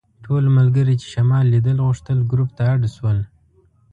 ټول ملګري چې شمال لیدل غوښتل ګروپ ته اډ شول.